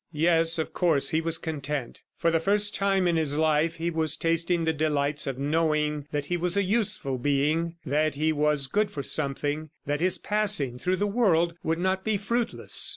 Yes, of course, he was content. For the first time in his life he was tasting the delights of knowing that he was a useful being, that he was good for something, that his passing through the world would not be fruitless.